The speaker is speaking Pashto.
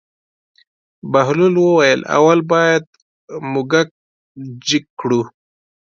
بهلول وویل: اول باید موږک جګ کړو.